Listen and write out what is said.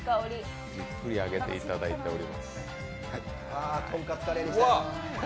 じっくり揚げていただいております。